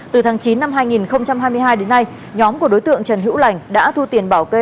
từ tháng chín năm hai nghìn hai mươi hai đến nay nhóm của đối tượng trần hữu lành đã thu tiền bảo kê